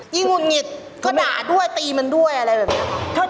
ยิ่งอุ่นหงิตก็ด่าด้วยตีมันก็ด้วยอะไรแบบนี้